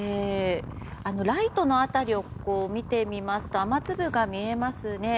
ライトの辺りを見てみますと雨粒が見えますね。